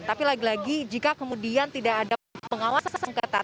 tapi lagi lagi jika kemudian tidak ada pengawasan sengketa